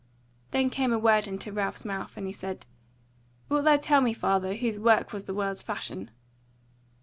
Then came a word into Ralph's mouth, and he said: "Wilt thou tell me, father, whose work was the world's fashion?"